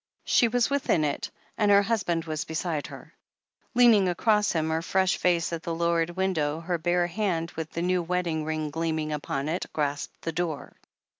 She was within it, and her husband was beside her. Leaning across him, her fresh face at the lowered win dow, her bare hand, with the new wedding ring gleam ing upon it, grasped the door.